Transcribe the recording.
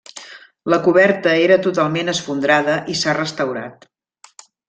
La coberta era totalment esfondrada i s'ha restaurat.